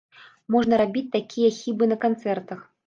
Можна рабіць такія хібы на канцэртах.